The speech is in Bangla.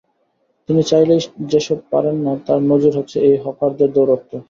তিনি চাইলেই যেসব পারেন না, তার নজির হচ্ছে এই হকারদের দৌরাত্ম্য।